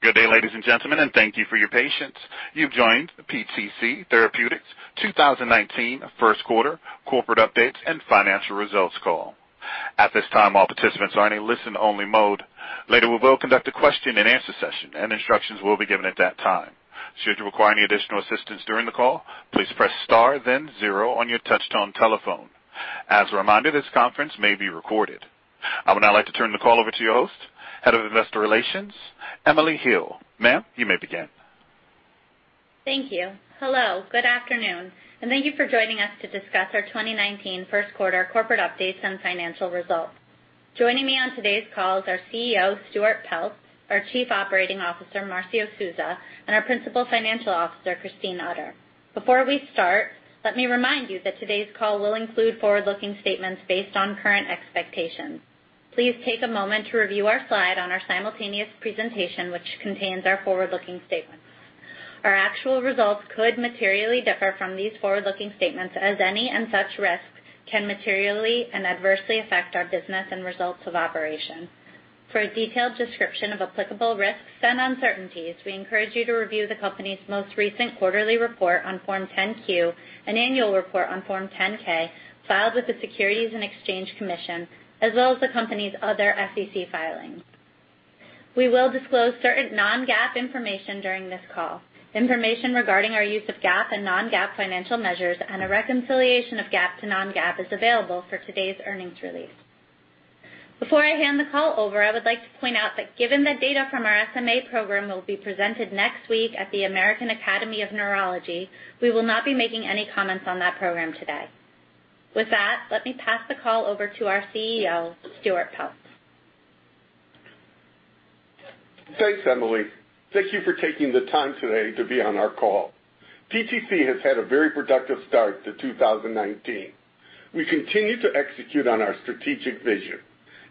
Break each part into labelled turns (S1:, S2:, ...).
S1: Good day, ladies and gentlemen. Thank you for your patience. You've joined PTC Therapeutics 2019 first quarter corporate updates and financial results call. At this time, all participants are in a listen only mode. Later, we will conduct a question and answer session. Instructions will be given at that time. Should you require any additional assistance during the call, please press star then zero on your touchtone telephone. As a reminder, this conference may be recorded. I would now like to turn the call over to your host, Head of Investor Relations, Emily Hill. Ma'am, you may begin.
S2: Thank you. Hello. Good afternoon. Thank you for joining us to discuss our 2019 first quarter corporate updates and financial results. Joining me on today's call is our CEO, Stuart Peltz, our Chief Operating Officer, Marcio Souza, our Principal Financial Officer, Christine Utter. Before we start, let me remind you that today's call will include forward-looking statements based on current expectations. Please take a moment to review our slide on our simultaneous presentation, which contains our forward-looking statements. Our actual results could materially differ from these forward-looking statements. Any and such risks can materially and adversely affect our business and results of operation. For a detailed description of applicable risks and uncertainties, we encourage you to review the company's most recent quarterly report on Form 10-Q and annual report on Form 10-K filed with the Securities and Exchange Commission, as well as the company's other SEC filings. We will disclose certain non-GAAP information during this call. Information regarding our use of GAAP and non-GAAP financial measures and a reconciliation of GAAP to non-GAAP is available for today's earnings release. Before I hand the call over, I would like to point out that given that data from our SMA program will be presented next week at the American Academy of Neurology, we will not be making any comments on that program today. With that, let me pass the call over to our CEO, Stuart Peltz.
S3: Thanks, Emily. Thank you for taking the time today to be on our call. PTC has had a very productive start to 2019. We continue to execute on our strategic vision.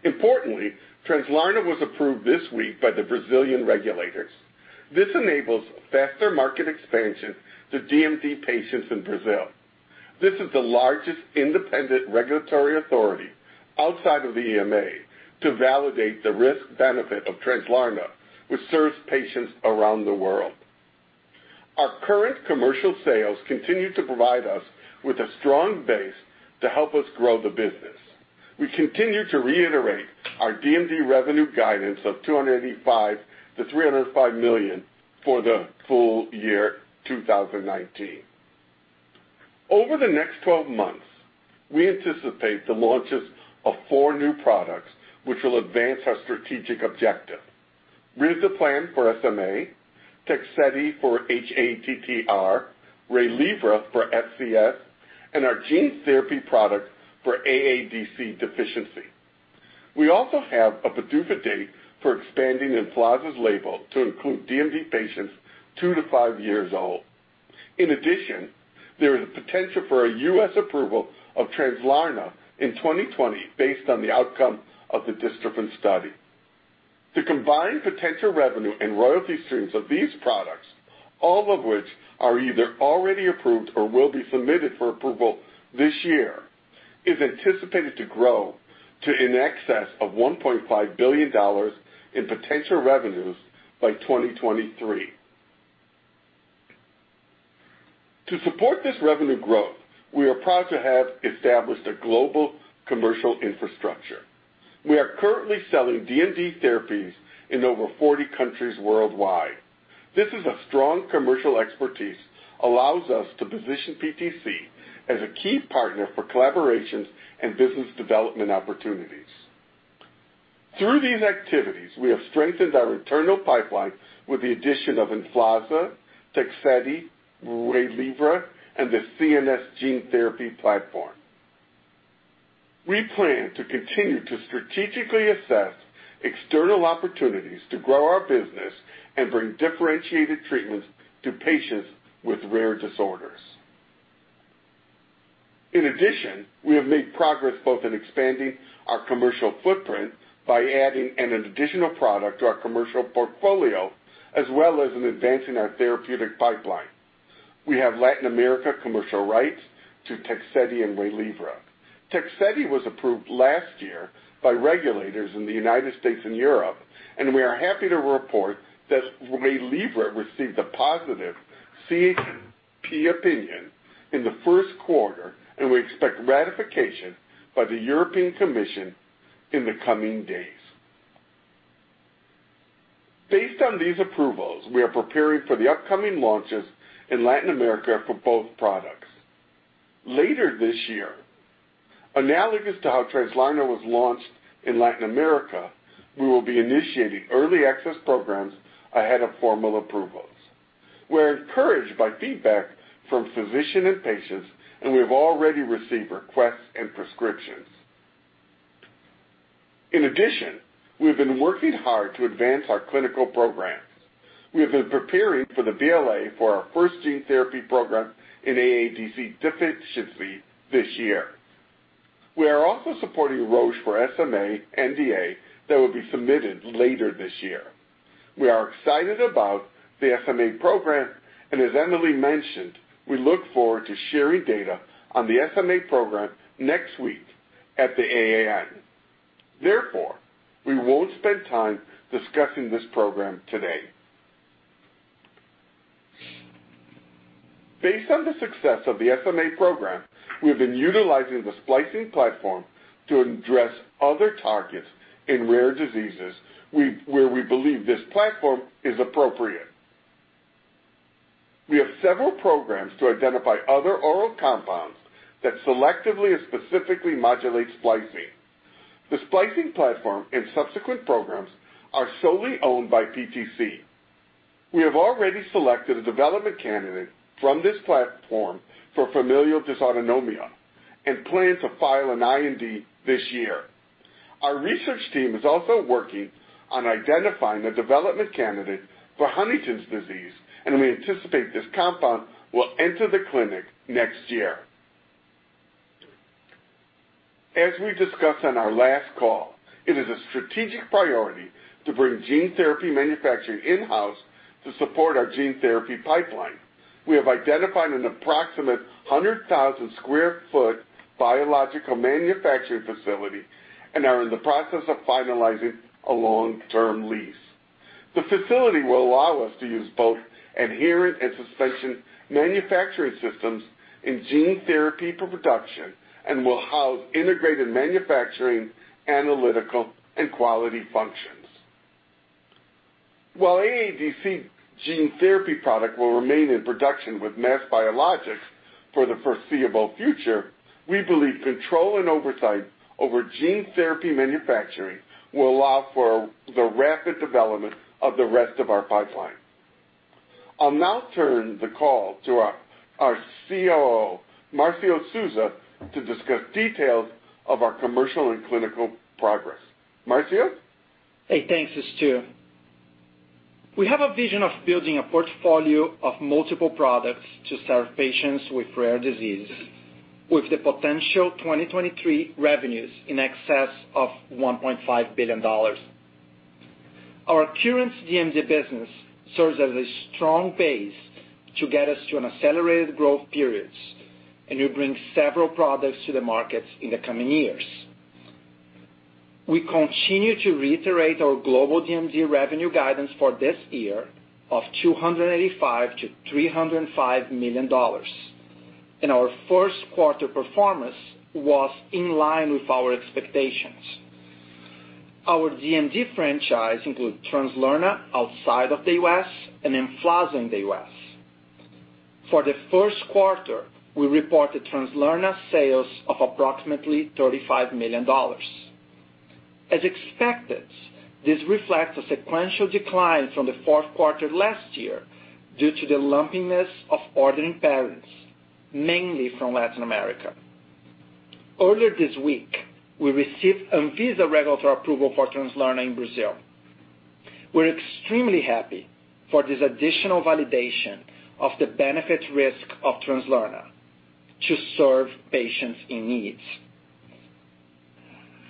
S3: Importantly, Translarna was approved this week by the Brazilian regulators. This enables faster market expansion to DMD patients in Brazil. This is the largest independent regulatory authority outside of the EMA to validate the risk-benefit of Translarna, which serves patients around the world. Our current commercial sales continue to provide us with a strong base to help us grow the business. We continue to reiterate our DMD revenue guidance of $285 million-$305 million for the full year 2019. Over the next 12 months, we anticipate the launches of four new products which will advance our strategic objective. Risdiplam for SMA, Tegsedi for hATTR, Waylivra for FCS, and our gene therapy product for AADC deficiency. We also have a PDUFA date for expanding EMFLAZA's label to include DMD patients 2 to 5 years old. In addition, there is a potential for a U.S. approval of Translarna in 2020 based on the outcome of the dystrophin study. The combined potential revenue and royalty streams of these products, all of which are either already approved or will be submitted for approval this year, is anticipated to grow to in excess of $1.5 billion in potential revenues by 2023. To support this revenue growth, we are proud to have established a global commercial infrastructure. We are currently selling DMD therapies in over 40 countries worldwide. This is a strong commercial expertise allows us to position PTC as a key partner for collaborations and business development opportunities. Through these activities, we have strengthened our internal pipeline with the addition of EMFLAZA, Tegsedi, Waylivra, and the CNS gene therapy platform. We plan to continue to strategically assess external opportunities to grow our business and bring differentiated treatments to patients with rare disorders. In addition, we have made progress both in expanding our commercial footprint by adding an additional product to our commercial portfolio, as well as in advancing our therapeutic pipeline. We have Latin America commercial rights to Tegsedi and Waylivra. Tegsedi was approved last year by regulators in the United States and Europe, and we are happy to report that Waylivra received a positive CHMP opinion in the first quarter, and we expect ratification by the European Commission in the coming days. Based on these approvals, we are preparing for the upcoming launches in Latin America for both products. Later this year, analogous to how Translarna was launched in Latin America, we will be initiating early access programs ahead of formal approvals. We're encouraged by feedback from physician and patients, and we have already received requests and prescriptions. In addition, we've been working hard to advance our clinical programs. We have been preparing for the BLA for our first gene therapy program in AADC deficiency this year. We are also supporting Roche for SMA NDA that will be submitted later this year. We are excited about the SMA program, and as Emily mentioned, we look forward to sharing data on the SMA program next week at the AAN. Therefore, we won't spend time discussing this program today. Based on the success of the SMA program, we have been utilizing the splicing platform to address other targets in rare diseases where we believe this platform is appropriate. We have several programs to identify other oral compounds that selectively and specifically modulate splicing. The splicing platform and subsequent programs are solely owned by PTC. We have already selected a development candidate from this platform for familial dysautonomia and plan to file an IND this year. Our research team is also working on identifying a development candidate for Huntington's disease, and we anticipate this compound will enter the clinic next year. As we discussed on our last call, it is a strategic priority to bring gene therapy manufacturing in-house to support our gene therapy pipeline. We have identified an approximate 100,000 sq ft biological manufacturing facility and are in the process of finalizing a long-term lease. The facility will allow us to use both adherent and suspension manufacturing systems in gene therapy for production and will house integrated manufacturing, analytical, and quality functions. While AADC gene therapy product will remain in production with MassBiologics for the foreseeable future, we believe control and oversight over gene therapy manufacturing will allow for the rapid development of the rest of our pipeline. I'll now turn the call to our COO, Marcio Souza, to discuss details of our commercial and clinical progress. Marcio?
S4: Hey, thanks, Stu. We have a vision of building a portfolio of multiple products to serve patients with rare diseases, with the potential 2023 revenues in excess of $1.5 billion. Our current DMD business serves as a strong base to get us to an accelerated growth periods and will bring several products to the market in the coming years. We continue to reiterate our global DMD revenue guidance for this year of $285 million-$305 million. Our first quarter performance was in line with our expectations. Our DMD franchise includes Translarna outside of the U.S. and Emflaza in the U.S. For the first quarter, we reported Translarna sales of approximately $35 million. As expected, this reflects a sequential decline from the fourth quarter last year due to the lumpiness of ordering patterns, mainly from Latin America. Earlier this week, we received Anvisa regulatory approval for Translarna in Brazil. We're extremely happy for this additional validation of the benefit risk of Translarna to serve patients in need.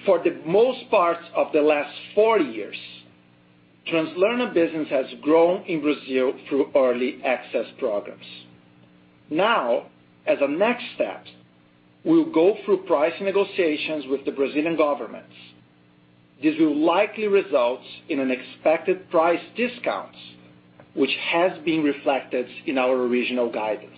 S4: For the most part of the last four years, Translarna business has grown in Brazil through early access programs. As a next step, we'll go through price negotiations with the Brazilian government. This will likely result in an expected price discount, which has been reflected in our original guidance.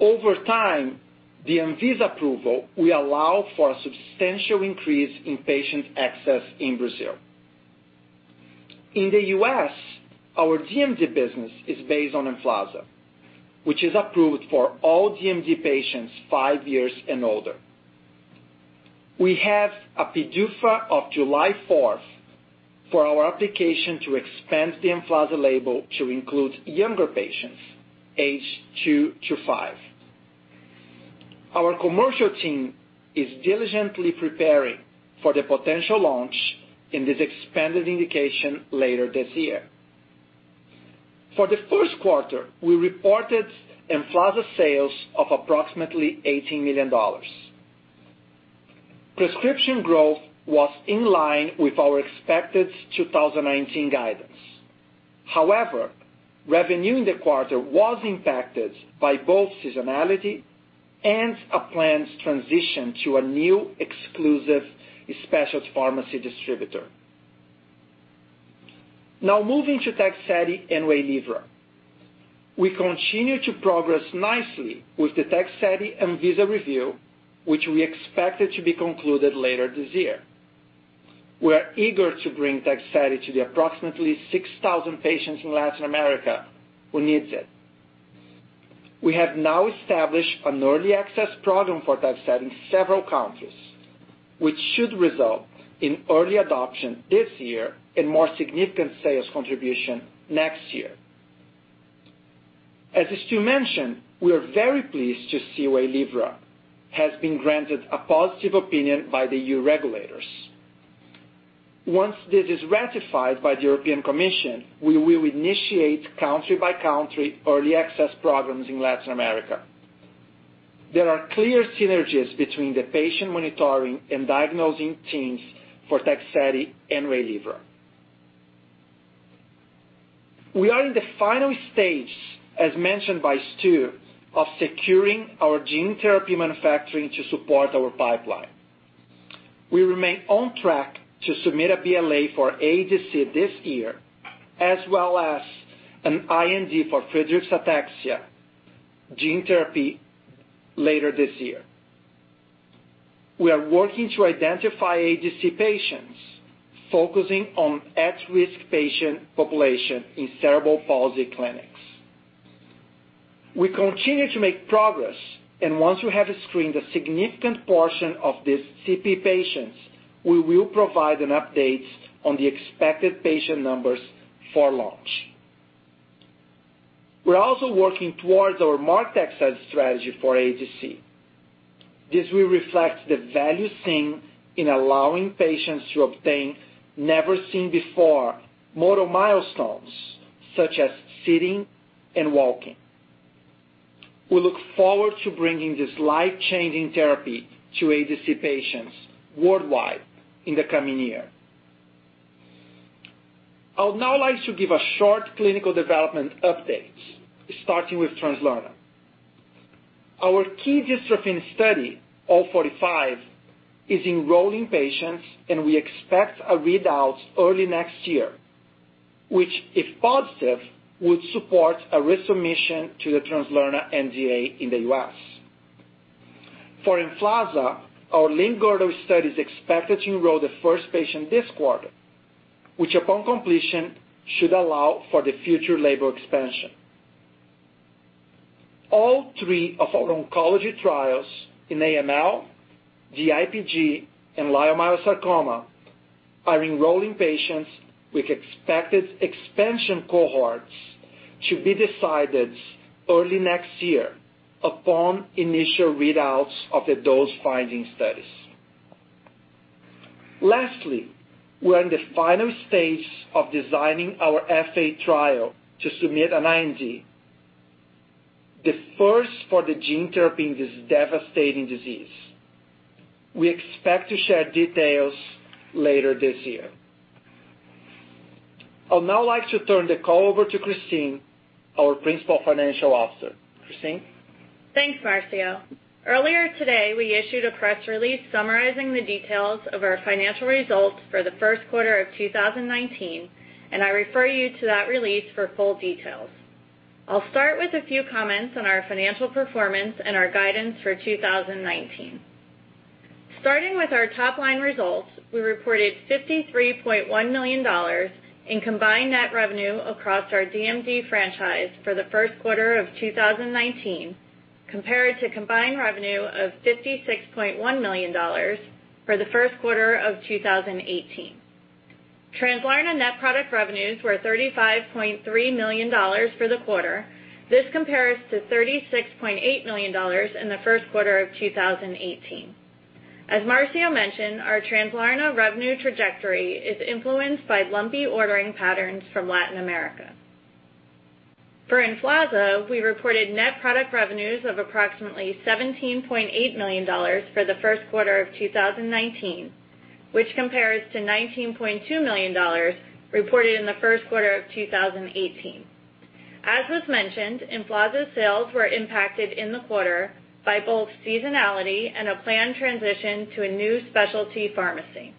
S4: Over time, the Anvisa approval will allow for a substantial increase in patient access in Brazil. In the U.S., our DMD business is based on Emflaza, which is approved for all DMD patients five years and older. We have a PDUFA of July 4th for our application to expand the Emflaza label to include younger patients age two to five. For the first quarter, we reported Emflaza sales of approximately $18 million. Prescription growth was in line with our expected 2019 guidance. However, revenue in the quarter was impacted by both seasonality and a planned transition to a new exclusive specialist pharmacy distributor. Moving to Tegsedi and Waylivra. We continue to progress nicely with the Tegsedi Anvisa review, which we expect to be concluded later this year. We're eager to bring Tegsedi to the approximately 6,000 patients in Latin America who needs it. We have now established an early access program for Tegsedi in several countries, which should result in early adoption this year and more significant sales contribution next year. As Stu mentioned, we are very pleased to see Waylivra has been granted a positive opinion by the EU regulators. Once this is ratified by the European Commission, we will initiate country-by-country early access programs in Latin America. There are clear synergies between the patient monitoring and diagnosing teams for Tegsedi and Waylivra. We are in the final stage, as mentioned by Stu, of securing our gene therapy manufacturing to support our pipeline. We remain on track to submit a BLA for AADC this year, as well as an IND for Friedreich's Ataxia gene therapy later this year. We are working to identify AADC patients, focusing on at-risk patient population in cerebral palsy clinics. We continue to make progress, and once we have screened a significant portion of these CP patients, we will provide an update on the expected patient numbers for launch. We're also working towards our market access strategy for AADC. This will reflect the value seen in allowing patients to obtain never-seen-before motor milestones, such as sitting and walking. We look forward to bringing this life-changing therapy to AADC patients worldwide in the coming year. I would now like to give a short clinical development update, starting with Translarna. Our key dystrophin study, Study 045, is enrolling patients, and we expect a readout early next year, which, if positive, would support a resubmission to the Translarna NDA in the U.S. For Emflaza, our Limb-Girdle study is expected to enroll the first patient this quarter, which upon completion should allow for the future label expansion. All three of our oncology trials in AML, DIPG, and leiomyosarcoma are enrolling patients with expected expansion cohorts to be decided early next year upon initial readouts of the dose-finding studies. Lastly, we're in the final stage of designing our FA trial to submit an IND, the first for the gene therapy in this devastating disease. We expect to share details later this year. I would now like to turn the call over to Christine, our Principal Financial Officer. Christine?
S5: Thanks, Marcio. Earlier today, we issued a press release summarizing the details of our financial results for the first quarter of 2019, and I refer you to that release for full details. I'll start with a few comments on our financial performance and our guidance for 2019. Starting with our top-line results, we reported $53.1 million in combined net revenue across our DMD franchise for the first quarter of 2019, compared to combined revenue of $56.1 million for the first quarter of 2018. Translarna net product revenues were $35.3 million for the quarter. This compares to $36.8 million in the first quarter of 2018. As Marcio mentioned, our Translarna revenue trajectory is influenced by lumpy ordering patterns from Latin America. For EMFLAZA, we reported net product revenues of approximately $17.8 million for the first quarter of 2019, which compares to $19.2 million reported in the first quarter of 2018. As was mentioned, EMFLAZA sales were impacted in the quarter by both seasonality and a planned transition to a new specialty pharmacy.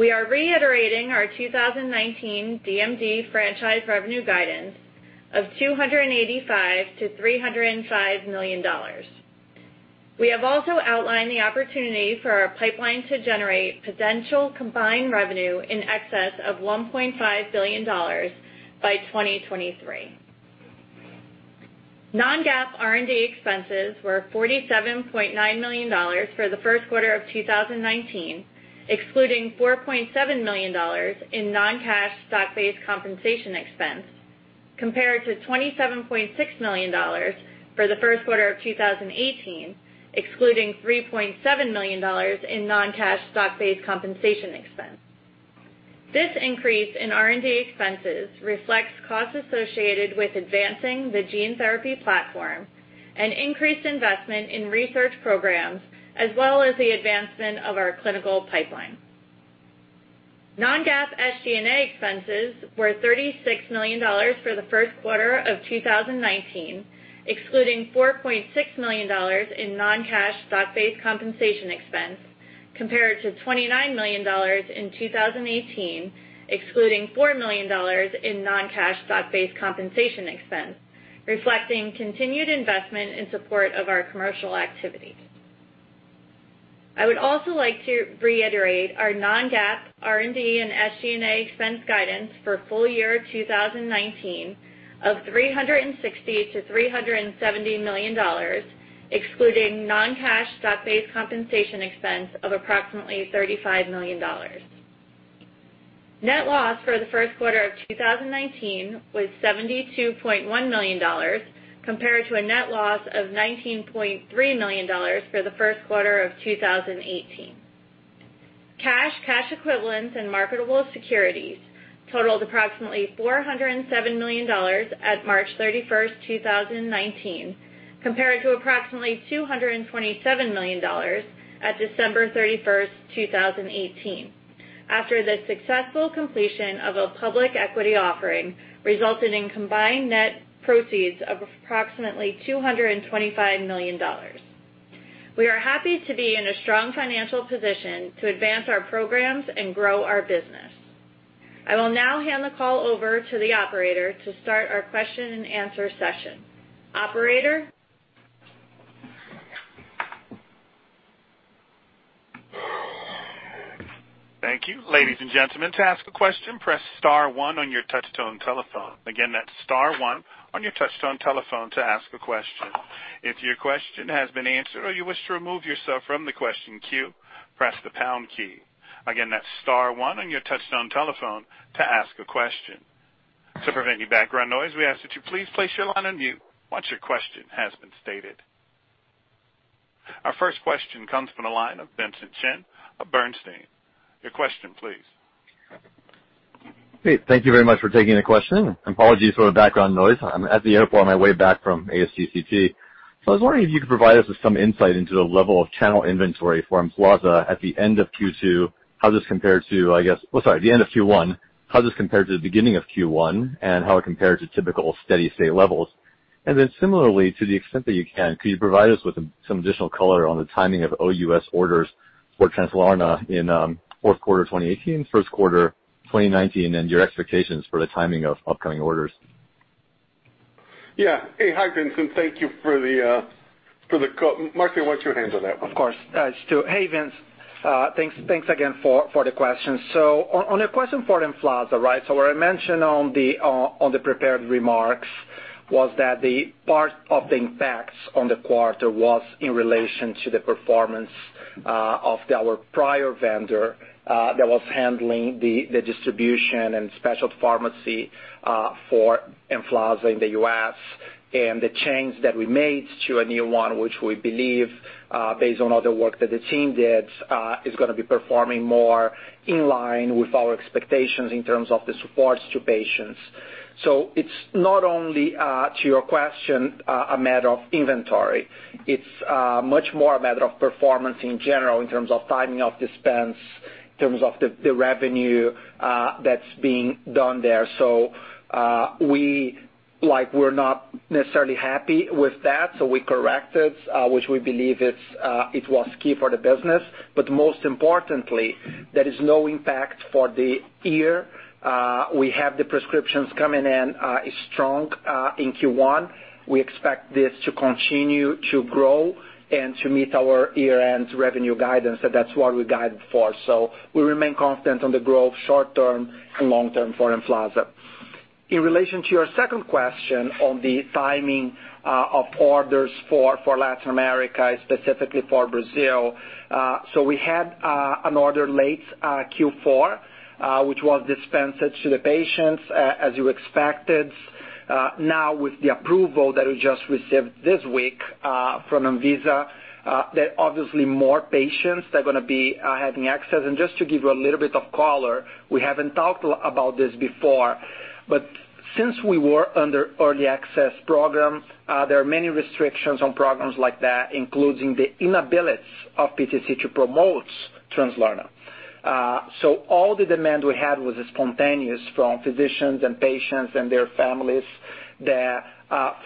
S5: We are reiterating our 2019 DMD franchise revenue guidance of $285 million-$305 million. We have also outlined the opportunity for our pipeline to generate potential combined revenue in excess of $1.5 billion by 2023. Non-GAAP R&D expenses were $47.9 million for the first quarter of 2019, excluding $4.7 million in non-cash stock-based compensation expense, compared to $27.6 million for the first quarter of 2018, excluding $3.7 million in non-cash stock-based compensation expense. This increase in R&D expenses reflects costs associated with advancing the gene therapy platform and increased investment in research programs, as well as the advancement of our clinical pipeline. Non-GAAP SG&A expenses were $36 million for the first quarter of 2019, excluding $4.6 million in non-cash stock-based compensation expense, compared to $29 million in 2018, excluding $4 million in non-cash stock-based compensation expense, reflecting continued investment in support of our commercial activities. I would also like to reiterate our non-GAAP R&D and SG&A expense guidance for full year 2019 of $360 million-$370 million, excluding non-cash stock-based compensation expense of approximately $35 million. Net loss for the first quarter of 2019 was $72.1 million, compared to a net loss of $19.3 million for the first quarter of 2018. Cash, cash equivalents, and marketable securities totaled approximately $407 million at March 31st, 2019, compared to approximately $227 million at December 31st, 2018. After the successful completion of a public equity offering resulted in combined net proceeds of approximately $225 million. We are happy to be in a strong financial position to advance our programs and grow our business. I will now hand the call over to the operator to start our question and answer session. Operator?
S1: Thank you. Ladies and gentlemen, to ask a question, press star one on your touch-tone telephone. Again, that's star one on your touch-tone telephone to ask a question. If your question has been answered or you wish to remove yourself from the question queue, press the pound key. Again, that's star one on your touch-tone telephone to ask a question. To prevent any background noise, we ask that you please place your line on mute once your question has been stated. Our first question comes from the line of Vincent Shen of Bernstein. Your question please.
S6: Hey, thank you very much for taking the question, and apologies for the background noise. I am at the airport on my way back from ASTCT. I was wondering if you could provide us with some insight into the level of channel inventory for EMFLAZA at the end of Q2, how this compared to the end of Q1, how this compared to the beginning of Q1, and how it compared to typical steady state levels. Similarly, to the extent that you can, could you provide us with some additional color on the timing of OUS orders for Translarna in fourth quarter 2018, first quarter 2019, and your expectations for the timing of upcoming orders?
S3: Yeah. Hey. Hi, Vincent. Thank you for the call. Marcio, why don't you handle that one?
S4: Of course. Stu, hey, Vincent. Thanks again for the question. On the question for EMFLAZA, right? What I mentioned on the prepared remarks was that the part of the impacts on the quarter was in relation to the performance of our prior vendor, that was handling the distribution and special pharmacy for EMFLAZA in the U.S. The change that we made to a new one, which we believe, based on all the work that the team did, is going to be performing more in line with our expectations in terms of the supports to patients. It's not only, to your question, a matter of inventory. It's much more a matter of performance in general in terms of timing of dispense, in terms of the revenue that's being done there. We're not necessarily happy with that, so we corrected, which we believe it was key for the business. Most importantly, there is no impact for the year. We have the prescriptions coming in strong in Q1. We expect this to continue to grow and to meet our year-end revenue guidance. That's what we guided for. We remain confident on the growth short-term and long-term for EMFLAZA. In relation to your second question on the timing of orders for Latin America, specifically for Brazil, so we had an order late Q4, which was dispensed to the patients, as you expected. Now with the approval that we just received this week from Anvisa, there are obviously more patients that are going to be having access. Just to give you a little bit of color, we haven't talked about this before, but since we were under early access program, there are many restrictions on programs like that, including the inability of PTC to promote Translarna. All the demand we had was spontaneous from physicians and patients and their families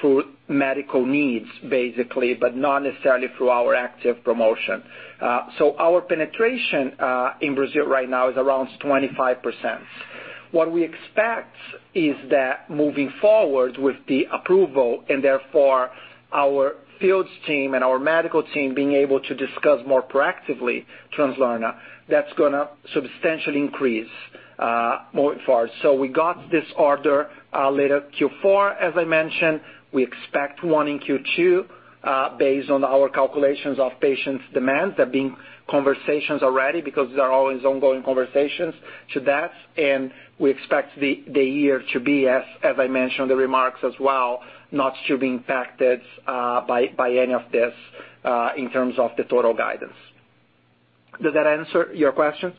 S4: through medical needs, basically, but not necessarily through our active promotion. Our penetration in Brazil right now is around 25%. What we expect is that moving forward with the approval, and therefore our fields team and our medical team being able to discuss more proactively Translarna, that's going to substantially increase moving forward. We got this order late Q4, as I mentioned. We expect one in Q2, based on our calculations of patients' demands. There've been conversations already because these are always ongoing conversations to that. We expect the year to be, as I mentioned in the remarks as well, not to be impacted by any of this in terms of the total guidance. Does that answer your question?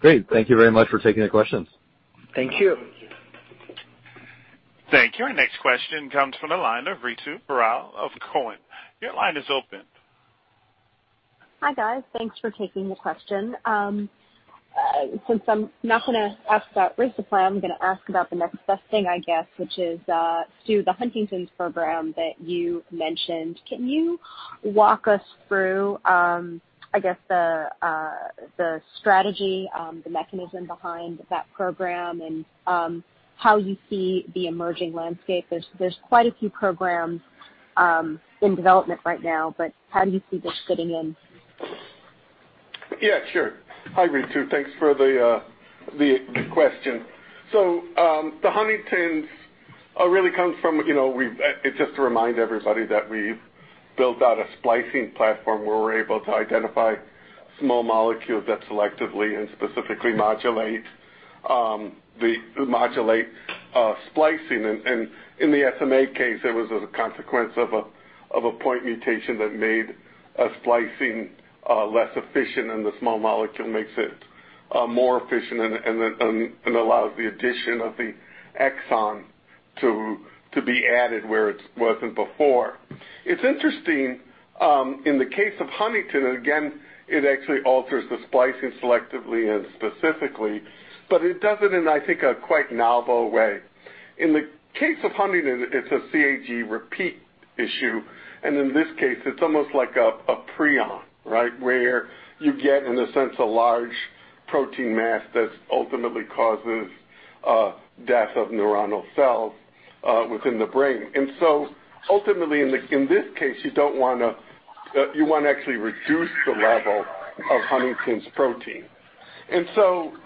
S6: Great. Thank you very much for taking the questions.
S4: Thank you.
S1: Thank you. Our next question comes from the line of Ritu Baral of Cowen. Your line is open.
S7: Hi, guys. Thanks for taking the question. Since I'm not gonna ask about risdiplam, I'm gonna ask about the next best thing, I guess, which is, Stu, the Huntington's program that you mentioned. Can you walk us through, I guess, the strategy, the mechanism behind that program and how you see the emerging landscape? There's quite a few programs in development right now, but how do you see this fitting in?
S3: Yeah, sure. Hi, Ritu. Thanks for the question. The Huntington's really comes from, just to remind everybody that we've built out a splicing platform where we're able to identify small molecules that selectively and specifically modulate splicing. In the SMA case, it was a consequence of a point mutation that made splicing less efficient, and the small molecule makes it more efficient and allows the addition of the exon to be added where it wasn't before. It's interesting, in the case of Huntington, again, it actually alters the splicing selectively and specifically, but it does it in, I think, a quite novel way. In the case of Huntington, it's a CAG repeat issue, in this case, it's almost like a prion, where you get, in a sense, a large protein mass that ultimately causes death of neuronal cells within the brain. Ultimately, in this case, you want to actually reduce the level of Huntington's protein.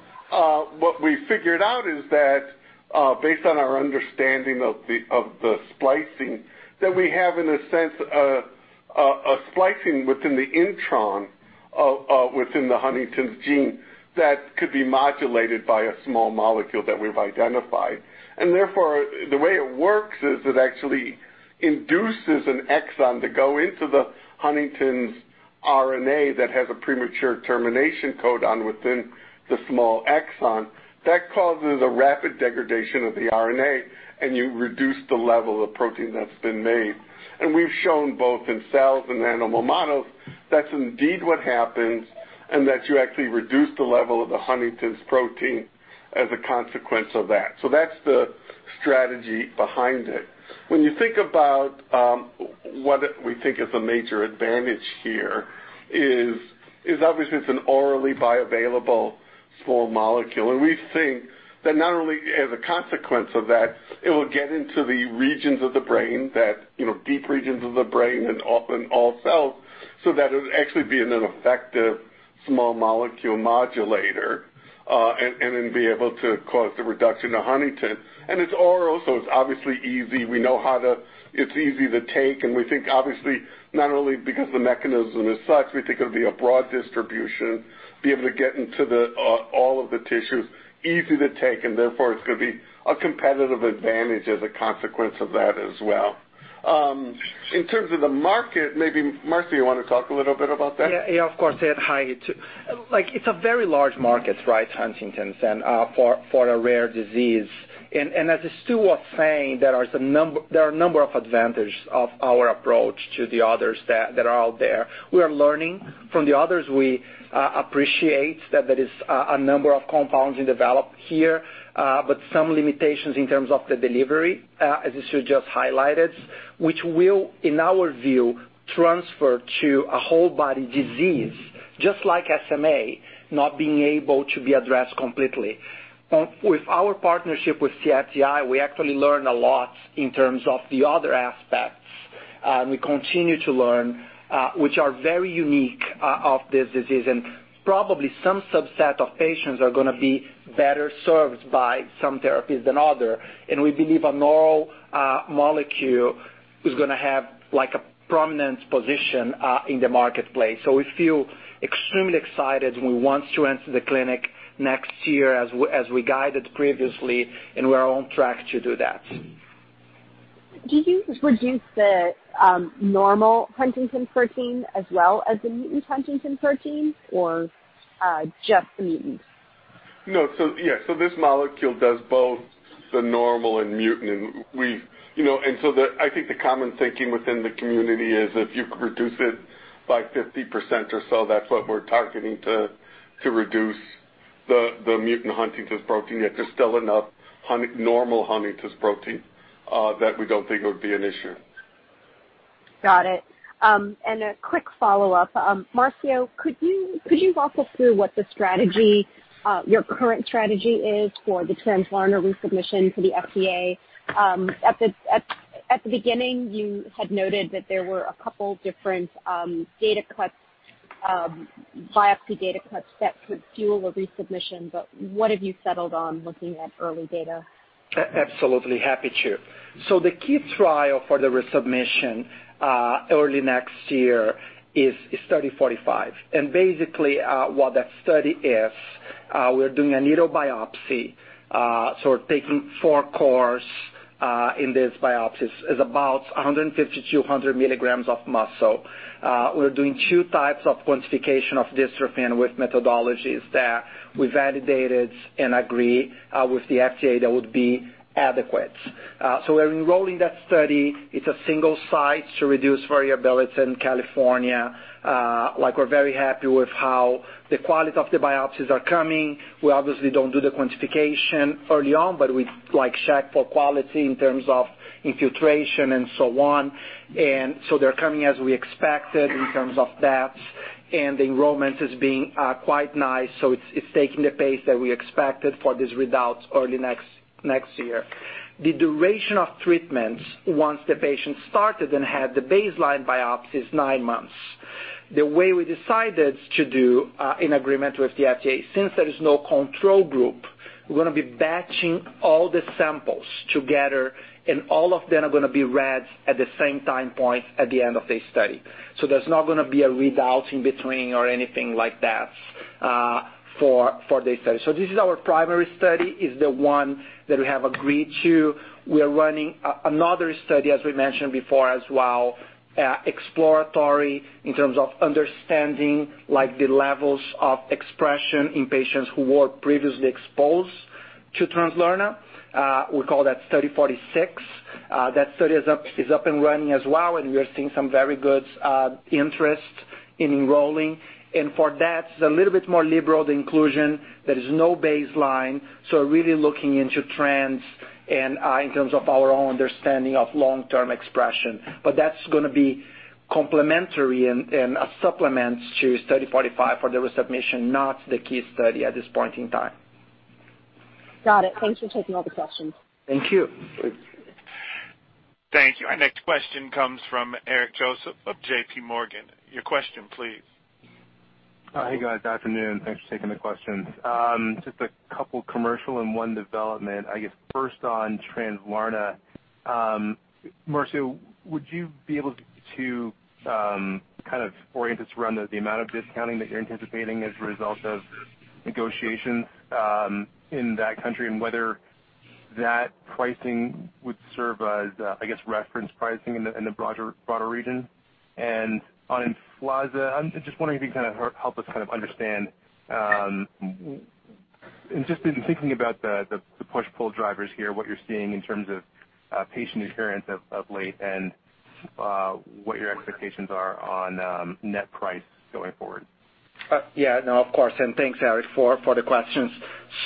S3: What we figured out is that based on our understanding of the splicing, that we have, in a sense, a splicing within the intron within the Huntington's gene that could be modulated by a small molecule that we've identified. The way it works is it actually induces an exon to go into the Huntington's RNA that has a premature termination codon within the small exon. That causes a rapid degradation of the RNA, and you reduce the level of protein that's been made. We've shown both in cells and animal models that's indeed what happens, and that you actually reduce the level of the Huntington's protein as a consequence of that. That's the strategy behind it. When you think about what we think is a major advantage here is obviously it's an orally bioavailable small molecule. We think that not only as a consequence of that, it will get into the regions of the brain that, deep regions of the brain and often all cells, so that it would actually be an effective small molecule modulator, then be able to cause the reduction of Huntington. It's oral, so it's obviously easy. It's easy to take, and we think, obviously, not only because the mechanism is such, we think it'll be a broad distribution, be able to get into all of the tissues, easy to take, and therefore, it's going to be a competitive advantage as a consequence of that as well. In terms of the market, maybe Marcio, you want to talk a little bit about that?
S4: Yeah, of course, Ritu. Hi, it's a very large market, Huntington's, for a rare disease. As Stu was saying, there are a number of advantage of our approach to the others that are out there. We are learning from the others. We appreciate that there is a number of compounds being developed here. Some limitations in terms of the delivery, as you Stu just highlighted, which will, in our view, transfer to a whole body disease, just like SMA, not being able to be addressed completely. With our partnership with CFTI, we actually learn a lot in terms of the other aspects. We continue to learn, which are very unique of this disease, and probably some subset of patients are going to be better served by some therapies than other. We believe an oral molecule is going to have a prominent position in the marketplace. We feel extremely excited, we want to enter the clinic next year as we guided previously, we're on track to do that.
S7: Do you reduce the normal Huntington protein as well as the mutant Huntington protein, or just the mutant?
S3: No. Yeah. This molecule does both the normal and mutant. I think the common thinking within the community is if you could reduce it by 50% or so, that's what we're targeting to reduce the mutant Huntington's protein. Yet there's still enough normal Huntington's protein that we don't think it would be an issue.
S7: Got it. A quick follow-up. Marcio, could you walk us through what your current strategy is for the Translarna resubmission to the FDA? At the beginning, you had noted that there were a couple different biopsy data cuts that could fuel a resubmission, what have you settled on looking at early data?
S4: Absolutely, happy to. The key trial for the resubmission early next year is Study 45. Basically, what that study is, we're doing a needle biopsy, we're taking four cores in this biopsy. It's about 150 to 200 milligrams of muscle. We're doing 2 types of quantification of dystrophin with methodologies that we validated and agree with the FDA that would be adequate. We're enrolling that study. It's a single site to reduce variability in California. We're very happy with how the quality of the biopsies are coming. We obviously don't do the quantification early on, we check for quality in terms of infiltration and so on. They're coming as we expected in terms of that, and enrollment is being quite nice. It's taking the pace that we expected for these readouts early next year. The duration of treatment, once the patient started and had the baseline biopsy, is nine months. The way we decided to do in agreement with the FDA, since there is no control group, we're going to be batching all the samples together, all of them are going to be read at the same time point at the end of the study. There's not going to be a readout in between or anything like that for this study. This is our primary study, is the one that we have agreed to. We are running another study, as we mentioned before as well, exploratory in terms of understanding the levels of expression in patients who were previously exposed to Translarna. We call that Study 46. That study is up and running as well, we are seeing some very good interest in enrolling. For that, it's a little bit more liberal. The inclusion, there is no baseline, so really looking into trends and in terms of our own understanding of long-term expression. That's going to be complementary and a supplement to Study 45 for the resubmission, not the key study at this point in time.
S7: Got it. Thanks for taking all the questions.
S4: Thank you.
S1: Thank you. Our next question comes from Eric Joseph of JPMorgan. Your question, please.
S8: Hey, guys. Good afternoon. Thanks for taking the questions. Just a couple commercial and one development. I guess first on Translarna. Marcio, would you be able to kind of orient us around the amount of discounting that you're anticipating as a result of negotiations in that country, and whether that pricing would serve as, I guess, reference pricing in the broader region? On EMFLAZA, I'm just wondering if you can help us understand, just in thinking about the push-pull drivers here, what you're seeing in terms of patient adherence of late and what your expectations are on net price going forward.
S4: Yeah, no, of course. Thanks, Eric, for the questions.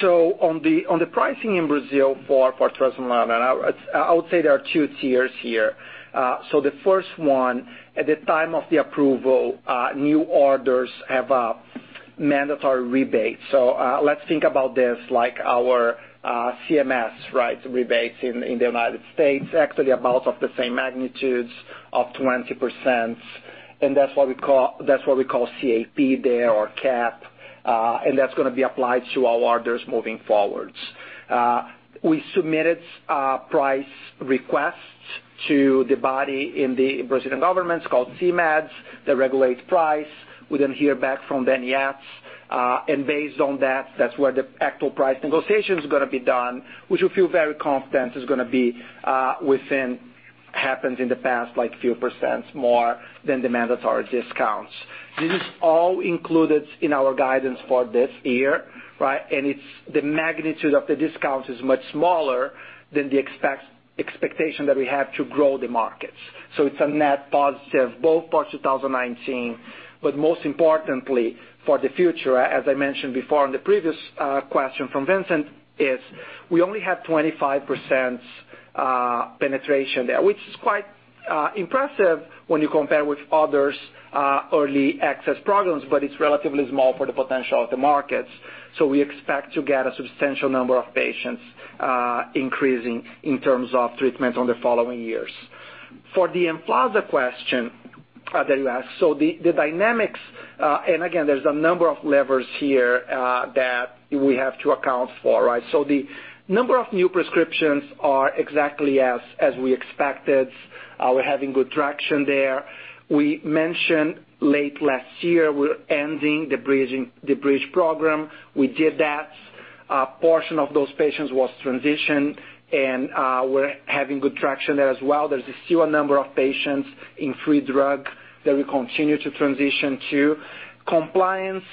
S4: On the pricing in Brazil for Translarna, I would say there are two tiers here. The first one, at the time of the approval, new orders have a mandatory rebate. Let's think about this like our CMS rebates in the U.S. Actually about of the same magnitudes of 20%, and that's what we call CAP there, or CAP, and that's going to be applied to all orders moving forwards. We submitted price requests to the body in the Brazilian government, it's called CMED, that regulates price. We didn't hear back from them yet. Based on that's where the actual price negotiation is going to be done, which we feel very confident is going to be within happens in the past, like few percents more than the mandatory discounts. This is all included in our guidance for this year, right? It's the magnitude of the discount is much smaller than the expectation that we have to grow the markets. It's a net positive both for 2019, but most importantly for the future, as I mentioned before in the previous question from Vincent, is we only have 25% penetration there. Which is quite impressive when you compare with others' early access programs, but it's relatively small for the potential of the markets. We expect to get a substantial number of patients increasing in terms of treatment on the following years. For the EMFLAZA question that you asked, the dynamics, again, there's a number of levers here that we have to account for, right? The number of new prescriptions are exactly as we expected. We're having good traction there. We mentioned late last year we're ending the bridge program. We did that. A portion of those patients was transitioned, we're having good traction there as well. There's still a number of patients in free drug that we continue to transition to. Compliance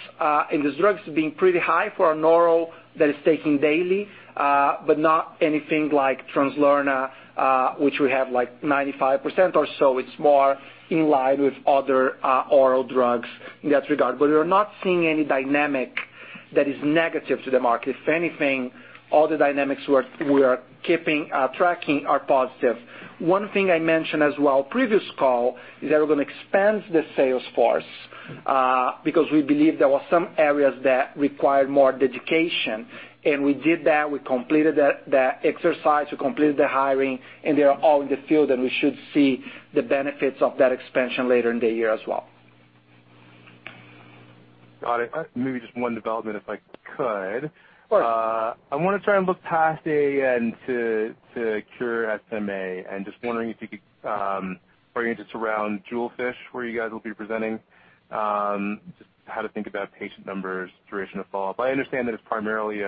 S4: in this drug is being pretty high for an oral that is taken daily, but not anything like Translarna, which we have like 95% or so. It's more in line with other oral drugs in that regard. We're not seeing any dynamic that is negative to the market. If anything, all the dynamics we are keeping, tracking are positive. One thing I mentioned as well previous call is that we're going to expand the sales force, because we believe there were some areas that required more dedication. We did that. We completed the exercise. We completed the hiring, and they are all in the field, and we should see the benefits of that expansion later in the year as well.
S8: Got it. Maybe just one development if I could.
S4: Of course.
S8: I want to try and look past AAN to Cure SMA, and just wondering if you could orient us around JEWELFISH, where you guys will be presenting, just how to think about patient numbers, duration of follow-up. I understand that it's primarily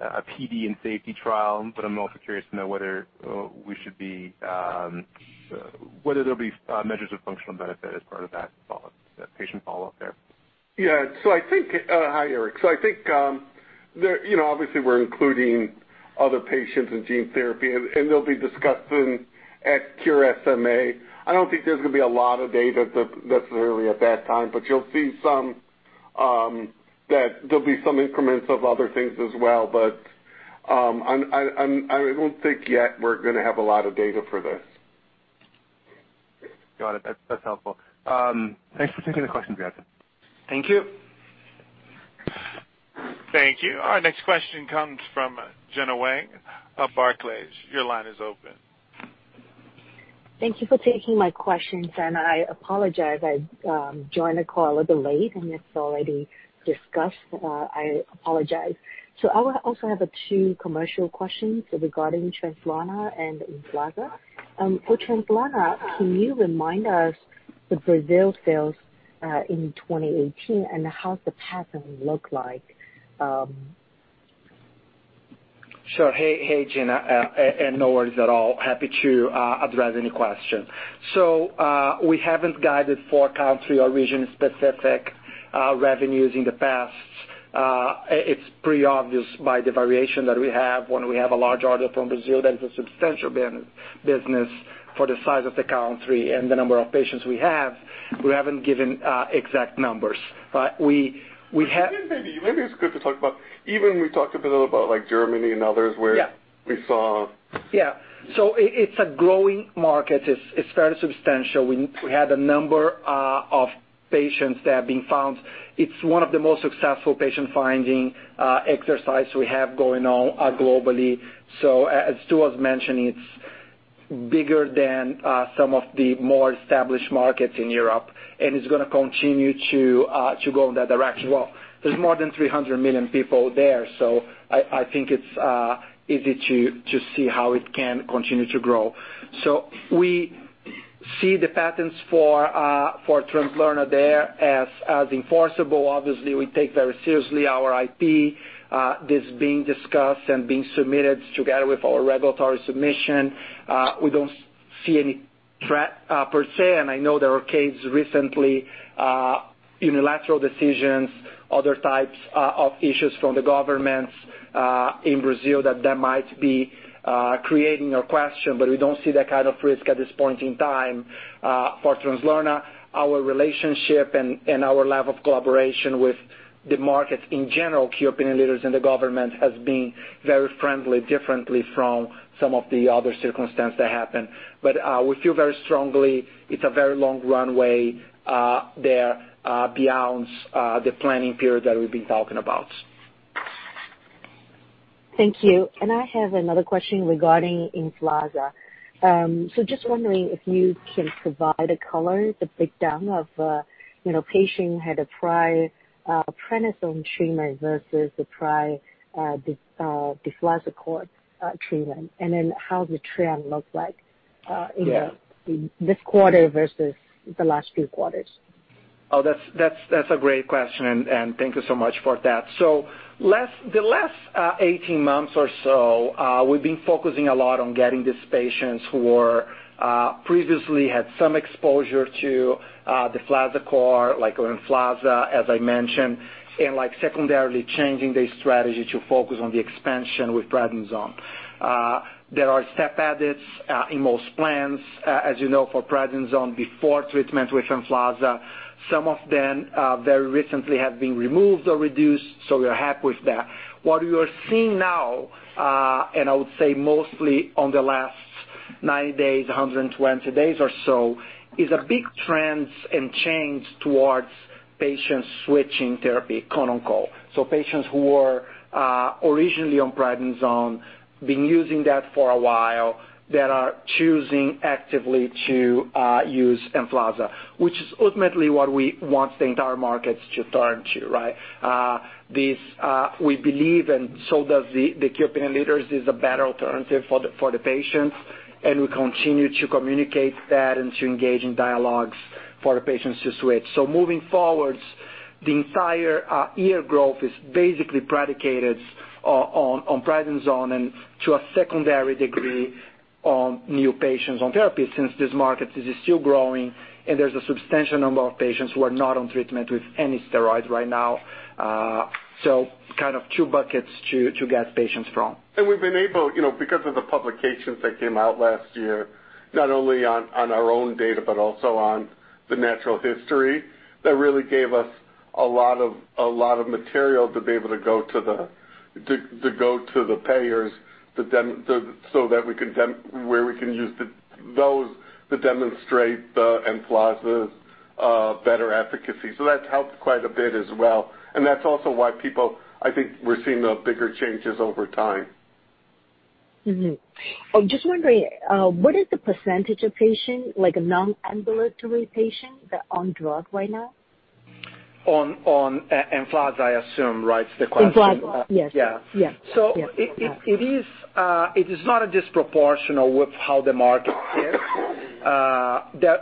S8: a PD and safety trial, but I'm also curious to know whether there'll be measures of functional benefit as part of that patient follow-up there.
S3: Yeah. Hi, Eric. I think, obviously we're including other patients in gene therapy, and they'll be discussed in at Cure SMA. I don't think there's going to be a lot of data necessarily at that time, but you'll see there'll be some increments of other things as well. I don't think yet we're going to have a lot of data for this.
S8: Got it. That's helpful. Thanks for taking the question, guys.
S4: Thank you.
S1: Thank you. Our next question comes from Gena Wang of Barclays. Your line is open.
S9: Thank you for taking my questions, I apologize I joined the call a little late and it's already discussed. I apologize. I also have two commercial questions regarding Translarna and EMFLAZA. For Translarna, can you remind us the Brazil sales in 2018 and how the pattern look like?
S4: Sure. Hey, Gena, no worries at all. Happy to address any question. We haven't guided for country or region-specific revenues in the past. It's pretty obvious by the variation that we have when we have a large order from Brazil that is a substantial business for the size of the country and the number of patients we have. We haven't given exact numbers, but we have-
S3: Maybe it's good to talk about even we talked a bit about Germany and others where-
S4: Yeah
S3: we saw.
S4: It's a growing market. It's fairly substantial. We had a number of patients that have been found. It's one of the most successful patient-finding exercises we have going on globally. As Stu was mentioning, it's bigger than some of the more established markets in Europe, and it's going to continue to go in that direction. There's more than 300 million people there. I think it's easy to see how it can continue to grow. We see the patents for Translarna there as enforceable. Obviously, we take very seriously our IP that's being discussed and being submitted together with our regulatory submission. We don't see any threat per se. I know there were cases recently, unilateral decisions, other types of issues from the governments in Brazil that might be creating a question. We don't see that kind of risk at this point in time for Translarna. Our relationship and our level of collaboration with the markets in general, key opinion leaders in the government, has been very friendly, differently from some of the other circumstances that happened. We feel very strongly it's a very long runway there beyond the planning period that we've been talking about.
S9: Thank you. I have another question regarding EMFLAZA. Just wondering if you can provide a color, the breakdown of patient had a prior prednisone treatment versus the prior deflazacort treatment, and then how the trend looks like-
S4: Yeah
S9: in this quarter versus the last few quarters.
S4: The last 18 months or so, we've been focusing a lot on getting these patients who previously had some exposure to deflazacort, like EMFLAZA, as I mentioned, and secondarily, changing their strategy to focus on the expansion with prednisone. There are step edits in most plans, as you know, for prednisone before treatment with EMFLAZA. Some of them very recently have been removed or reduced, so we're happy with that. What we are seeing now, and I would say mostly on the last 90 days, 120 days or so, is a big trend and change towards patients switching therapy, quote, unquote. Patients who were originally on prednisone, been using that for a while, that are choosing actively to use EMFLAZA, which is ultimately what we want the entire market to turn to, right? We believe, and so does the key opinion leaders, is a better alternative for the patients, and we continue to communicate that and to engage in dialogues for the patients to switch. Moving forward, the entire year growth is basically predicated on prednisone and to a secondary degree on new patients on therapy, since this market is still growing and there's a substantial number of patients who are not on treatment with any steroids right now. Two buckets to get patients from.
S3: We've been able, because of the publications that came out last year, not only on our own data, but also on the natural history, that really gave us a lot of material to be able to go to the payers, where we can use those to demonstrate the EMFLAZA's better efficacy. That's helped quite a bit as well, and that's also why people, I think we're seeing the bigger changes over time.
S9: Just wondering, what is the percentage of patient, like a non-ambulatory patient that on drug right now?
S4: On Emflaza, I assume, right? Is the question.
S9: Emflaza. Yes.
S4: Yeah.
S9: Yes.
S4: It is not a disproportional with how the market is.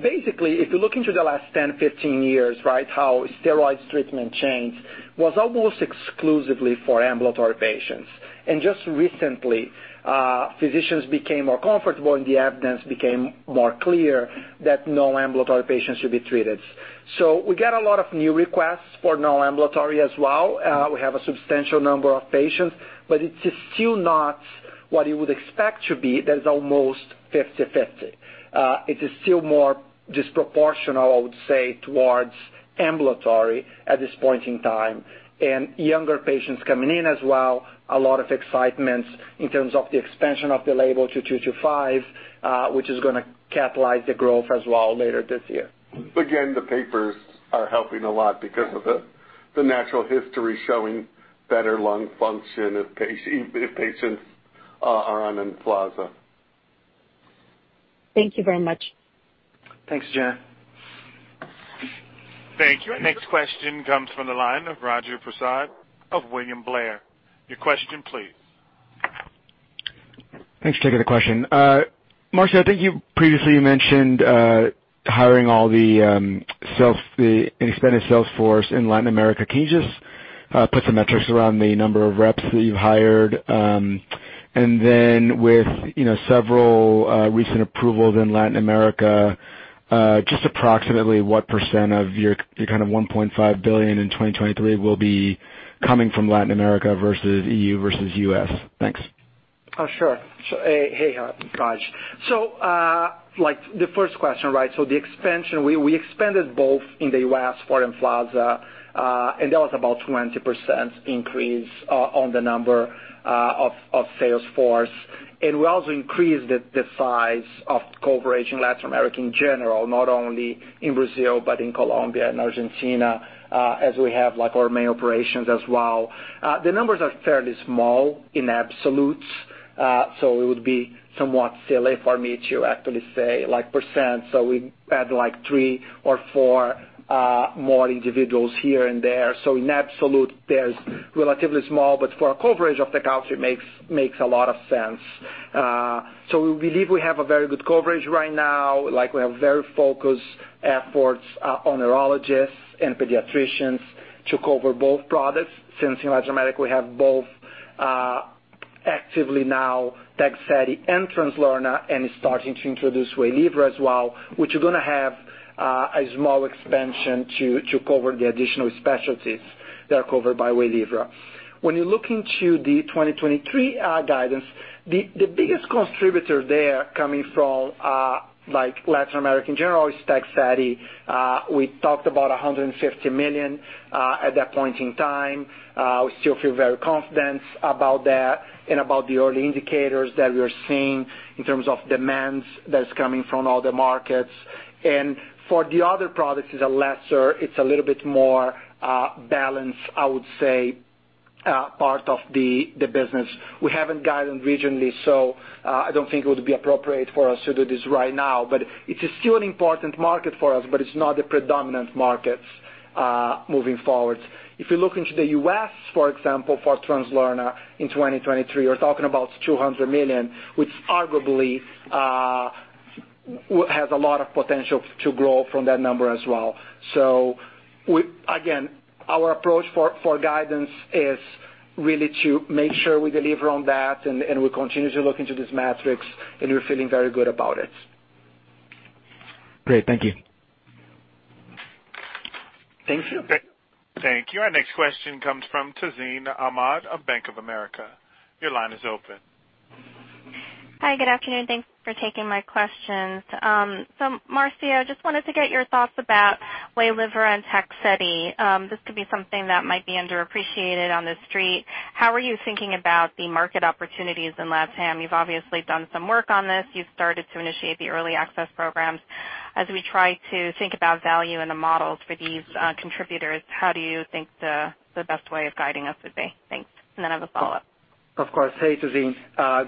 S4: Basically, if you look into the last 10, 15 years, right, how steroids treatment changed was almost exclusively for ambulatory patients. Just recently, physicians became more comfortable and the evidence became more clear that non-ambulatory patients should be treated. We get a lot of new requests for non-ambulatory as well. We have a substantial number of patients, but it is still not what you would expect to be that is almost 50/50. It is still more disproportional, I would say, towards ambulatory at this point in time. Younger patients coming in as well, a lot of excitement in terms of the expansion of the label to two to five, which is going to catalyze the growth as well later this year.
S3: Again, the papers are helping a lot because of the natural history showing better lung function if patients are on Emflaza.
S9: Thank you very much.
S4: Thanks, Gena.
S1: Thank you. Our next question comes from the line of Raju Prasad of William Blair. Your question please.
S10: Thanks for taking the question. Marcio, I think you previously mentioned hiring all the expanded sales force in Latin America. Can you just put some metrics around the number of reps that you've hired? And then with several recent approvals in Latin America, just approximately what % of your $1.5 billion in 2023 will be coming from Latin America versus EU versus U.S.? Thanks.
S4: Oh, sure. Hey, Raju. The first question, right? The expansion, we expanded both in the U.S. for EMFLAZA, and that was about 20% increase on the number of sales force. We also increased the size of coverage in Latin America in general, not only in Brazil, but in Colombia and Argentina, as we have our main operations as well. The numbers are fairly small in absolutes, it would be somewhat silly for me to actually say %. We add three or four more individuals here and there. In absolute, there's relatively small, but for a coverage of the country, makes a lot of sense. We believe we have a very good coverage right now. We have very focused efforts on neurologists and pediatricians to cover both products. Since in Latin America, we have both actively now Tegsedi and Translarna, and starting to introduce Waylivra as well, which is going to have a small expansion to cover the additional specialties that are covered by Waylivra. When you look into the 2023 guidance, the biggest contributor there coming from Latin America in general is Tegsedi. We talked about $150 million at that point in time. We still feel very confident about that and about the early indicators that we're seeing in terms of demands that is coming from all the markets. For the other products, it's a little bit more balanced, I would say, part of the business. We haven't guided regionally, I don't think it would be appropriate for us to do this right now. It is still an important market for us, but it's not the predominant markets moving forward. If you look into the U.S., for example, for Translarna in 2023, we're talking about $200 million, which arguably has a lot of potential to grow from that number as well. Again, our approach for guidance is really to make sure we deliver on that and we continue to look into these metrics, and we're feeling very good about it.
S10: Great. Thank you.
S4: Thank you.
S1: Thank you. Our next question comes from Tazeen Ahmad of Bank of America. Your line is open.
S11: Hi, good afternoon. Thanks for taking my questions. Marcio, I just wanted to get your thoughts about Waylivra and Tegsedi. This could be something that might be underappreciated on the street. How are you thinking about the market opportunities in LatAm? You've obviously done some work on this. You've started to initiate the early access programs. As we try to think about value in the models for these contributors, how do you think the best way of guiding us would be? Thanks. Then I have a follow-up.
S4: Of course. Hey, Tazeen.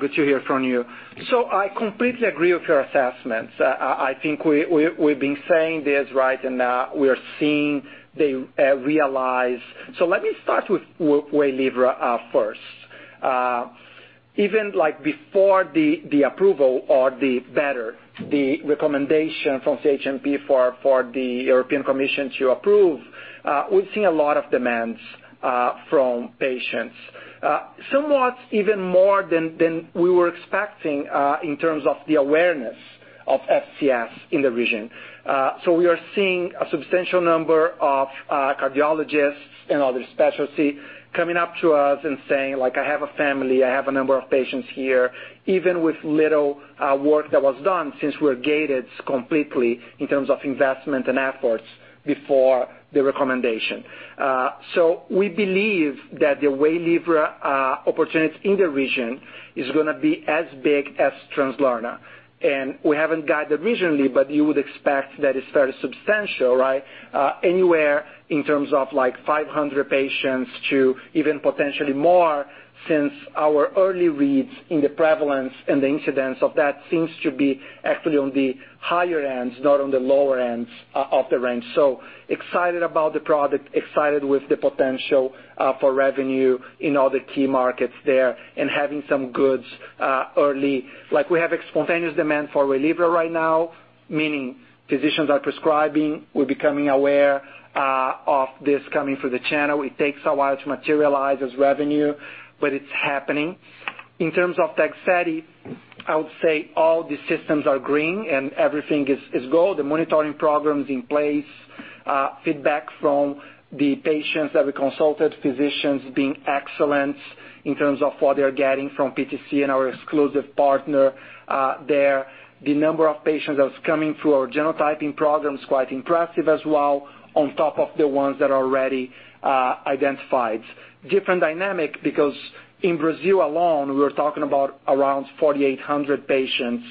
S4: Good to hear from you. I completely agree with your assessments. I think we've been saying this, right, and we are seeing they realize. Let me start with Waylivra first. Even before the approval or the better, the recommendation from CHMP for the European Commission to approve, we've seen a lot of demands from patients. Somewhat even more than we were expecting in terms of the awareness of FCS in the region. We are seeing a substantial number of cardiologists and other specialty coming up to us and saying, "I have a family. I have a number of patients here." Even with little work that was done since we're gated completely in terms of investment and efforts before the recommendation. We believe that the Waylivra opportunity in the region is going to be as big as Translarna. We haven't guided regionally, but you would expect that it's fairly substantial, right? Anywhere in terms of 500 patients to even potentially more since our early reads in the prevalence and the incidence of that seems to be actually on the higher ends, not on the lower ends of the range. Excited about the product, excited with the potential for revenue in all the key markets there and having some goods early. We have a spontaneous demand for Waylivra right now, meaning physicians are prescribing. We're becoming aware of this coming through the channel. It takes a while to materialize as revenue, but it's happening. In terms of Tegsedi, I would say all the systems are green and everything is gold. The monitoring program is in place. Feedback from the patients that we consulted, physicians being excellent in terms of what they're getting from PTC and our exclusive partner there. The number of patients that's coming through our genotyping program is quite impressive as well on top of the ones that are already identified. Different dynamic because in Brazil alone, we're talking about around 4,800 patients,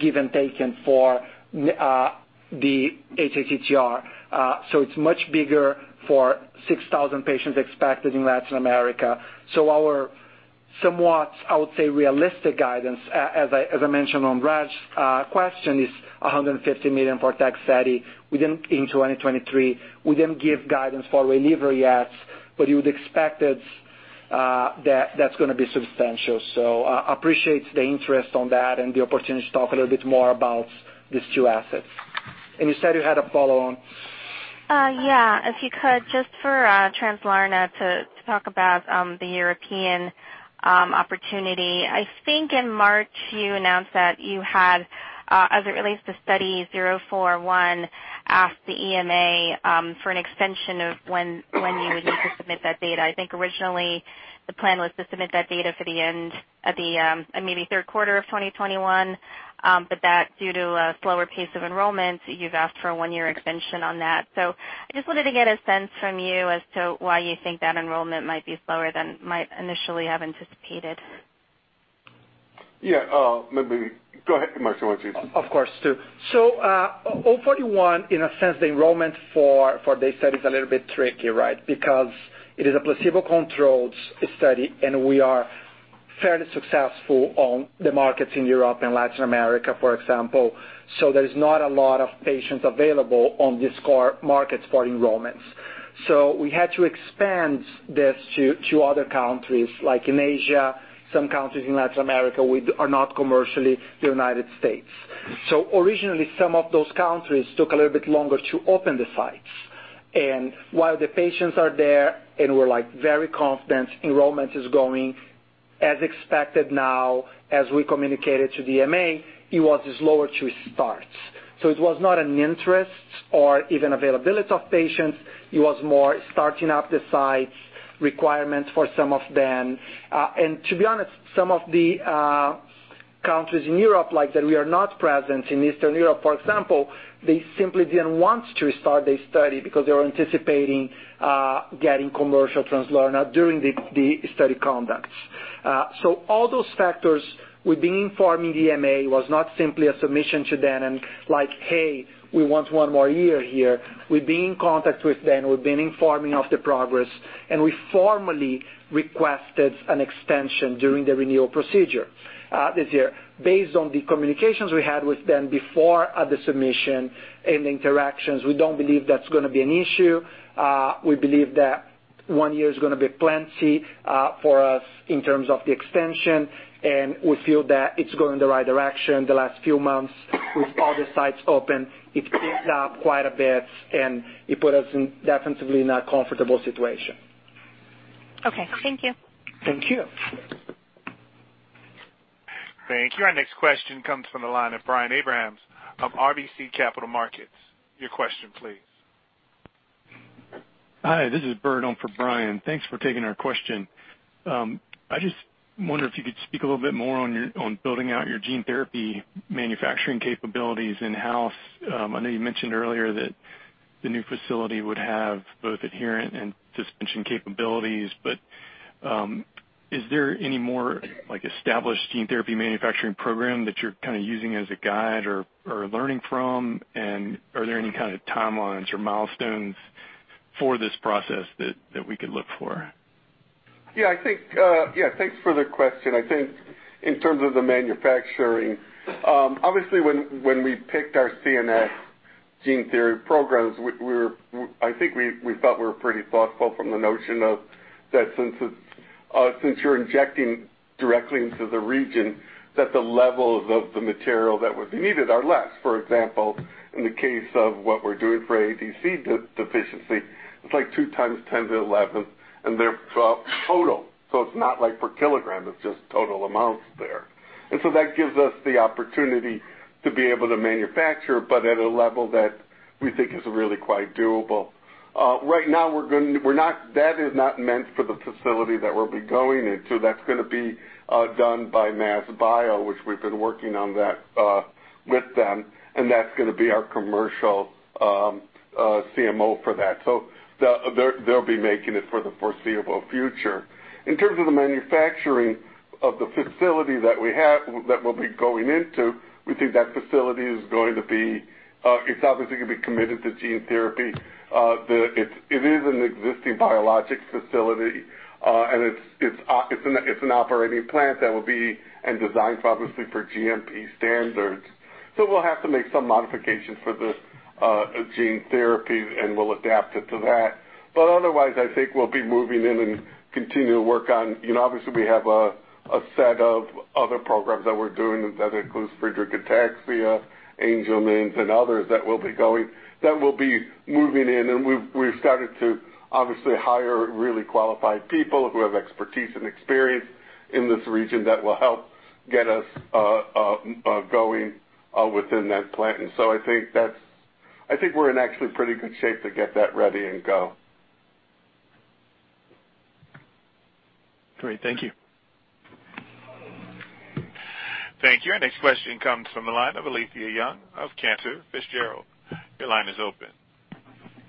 S4: give and taken, for the hATTR. It's much bigger for 6,000 patients expected in Latin America. Our somewhat, I would say, realistic guidance, as I mentioned on Raju's question, is $150 million for Tegsedi in 2023. We didn't give guidance for Waylivra yet, but you would expect that that's going to be substantial. Appreciate the interest on that and the opportunity to talk a little bit more about these two assets.
S3: You said you had a follow-on?
S11: Yeah. If you could, just for Translarna, to talk about the European opportunity. I think in March you announced that you had, as it relates to Study 041, asked the EMA for an extension of when you would need to submit that data. I think originally the plan was to submit that data for the end of the maybe third quarter of 2021. That due to a slower pace of enrollment, you've asked for a one-year extension on that. I just wanted to get a sense from you as to why you think that enrollment might be slower than might initially have anticipated.
S3: Yeah. Maybe, go ahead, Marcio. Why don't you?
S4: Of course, Stu. Study 041, in a sense, the enrollment for this study is a little bit tricky, right? Because it is a placebo-controlled study, and we are fairly successful on the markets in Europe and Latin America, for example. There's not a lot of patients available on these core markets for enrollments. We had to expand this to other countries, like in Asia, some countries in Latin America, we are not commercial in the U.S. Originally, some of those countries took a little bit longer to open the sites. While the patients are there, and we're very confident enrollment is going as expected now, as we communicated to the EMA, it was slower to start. It was not an interest or even availability of patients. It was more starting up the sites, requirements for some of them. To be honest, some of the countries in Europe, like that we are not present in Eastern Europe, for example, they simply didn't want to start this study because they were anticipating getting commercial Translarna during the study conducts. All those factors, we've been informing the EMA, was not simply a submission to them and like, "Hey, we want one more year here." We've been in contact with them. We've been informing of the progress, and we formally requested an extension during the renewal procedure this year. Based on the communications we had with them before the submission and interactions, we don't believe that's going to be an issue. We believe that one year is going to be plenty for us in terms of the extension, and we feel that it's going in the right direction the last few months with all the sites open. It picked up quite a bit, and it put us definitely in a comfortable situation.
S11: Okay. Thank you.
S4: Thank you.
S1: Thank you. Our next question comes from the line of Brian Abrahams of RBC Capital Markets. Your question please.
S12: Hi, this is Bert on for Brian. Thanks for taking our question. I just wonder if you could speak a little bit more on building out your gene therapy manufacturing capabilities in-house. I know you mentioned earlier that the new facility would have both adherent and suspension capabilities, but is there any more established gene therapy manufacturing program that you're kind of using as a guide or are learning from? Are there any kind of timelines or milestones for this process that we could look for?
S3: Yeah, thanks for the question. I think in terms of the manufacturing, obviously when we picked our CNS gene therapy programs, I think we thought we were pretty thoughtful from the notion of that since you're injecting directly into the region, that the levels of the material that would be needed are less. For example, in the case of what we're doing for AADC deficiency, it's like two times 10 to the 11th, and they're total. It's not like per kilogram, it's just total amounts there. That gives us the opportunity to be able to manufacture, but at a level that we think is really quite doable. Right now, that is not meant for the facility that we'll be going into. That's going to be done by MassBiologics, which we've been working on that with them, and that's going to be our commercial CMO for that. They'll be making it for the foreseeable future. In terms of the manufacturing of the facility that we have, that we'll be going into, we think that facility is obviously going to be committed to gene therapy. It is an existing biologics facility. It's an operating plant designed obviously for GMP standards. We'll have to make some modifications for this gene therapy, and we'll adapt it to that. Otherwise, I think we'll be moving in and continue to work on, obviously we have a set of other programs that we're doing, and that includes Friedreich's ataxia, Angelman's, and others that will be moving in. We've started to obviously hire really qualified people who have expertise and experience in this region that will help get us going within that plant. I think we're in actually pretty good shape to get that ready and go.
S12: Great. Thank you.
S1: Thank you. Our next question comes from the line of Alethia Young of Cantor Fitzgerald. Your line is open.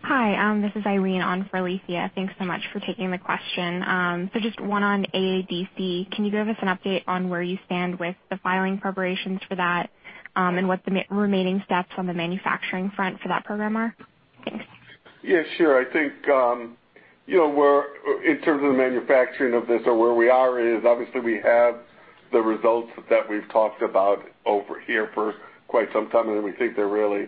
S13: Hi. This is Irene on for Alethia. Thanks so much for taking the question. Just one on AADC. Can you give us an update on where you stand with the filing preparations for that, and what the remaining steps on the manufacturing front for that program are? Thanks.
S3: Yeah, sure. I think in terms of the manufacturing of this or where we are is obviously we have the results that we've talked about over here for quite some time. We think they're really